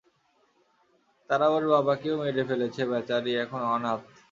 তারা ওর বাবাকেও মেরে ফেলেছে, বেচারি এখন অনাথ।